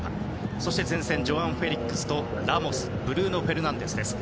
そして、前線はジョアン・フェリックスとラモスブルーノ・フェルナンデスです。